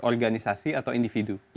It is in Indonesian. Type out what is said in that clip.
organisasi atau individu